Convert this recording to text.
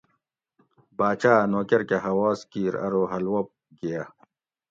باچاۤ اۤ نوکر کہ اواز کیر ارو حلوہ گیہ